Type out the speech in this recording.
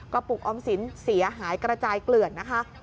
ปุกออมสินเสียหายกระจายเกลื่อนนะคะ